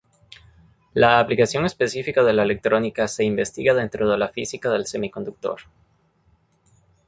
La aplicación específica de la electrónica se investiga dentro de la física del semiconductor.